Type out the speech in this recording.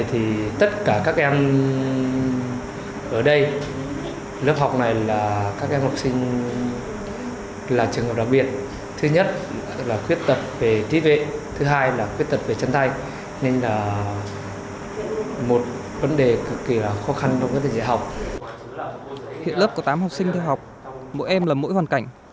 hiện lớp có tám học sinh theo học mỗi em là mỗi hoàn cảnh